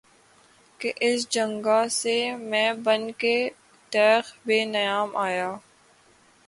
کہ اس جنگاہ سے میں بن کے تیغ بے نیام آیا